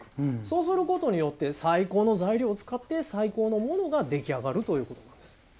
そうすることによって最高の材料を使って最高のものが出来上がるということなんです。